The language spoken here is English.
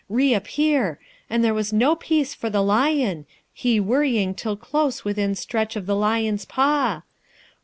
reappear, and there was no peace for the lion, he worrying till close within stretch of the lion's paw!